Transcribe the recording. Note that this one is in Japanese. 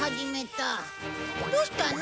どうしたの？